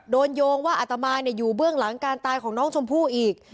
โยงว่าอัตมาอยู่เบื้องหลังการตายของน้องชมพู่อีก